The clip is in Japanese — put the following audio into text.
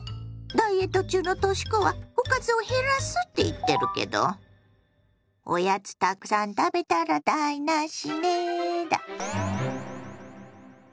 ダイエット中のとし子はおかずを減らすって言ってるけどおやつたくさん食べたら台なしねだ。